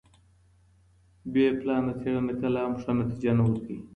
بې پلانه څېړنه کله هم ښه نتیجه نه ورکوي.